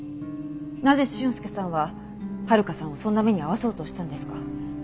なぜ俊介さんは温香さんをそんな目に遭わせようとしたんですか？